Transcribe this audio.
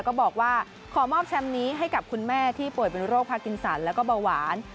ก็บอกว่าขอมอบแชมป์นี้ให้กับคุณแม่ที่ป่วยเป็นโรคพากินสันแล้วก็เบาหวาน